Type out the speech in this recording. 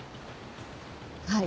はい。